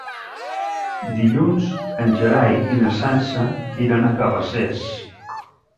Dilluns en Gerai i na Sança iran a Cabacés.